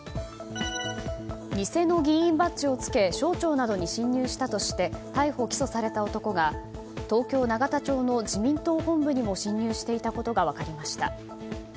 偽の議員バッジをつけ省庁などに侵入したとして逮捕・起訴された男が東京・永田町の自民党本部にも侵入していたことが分かりました。